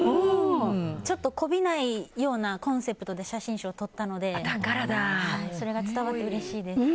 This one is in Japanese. ちょっとこびないようなコンセプトで写真集を撮ったのでそれが伝わってうれしいです。